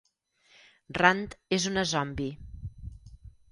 Rand és una zombi.